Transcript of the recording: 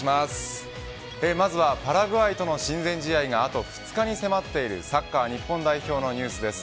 まずはパラグアイとの親善試合があと２日に迫っているサッカー日本代表のニュースです。